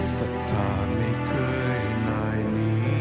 สถานไม่เคยนายนี้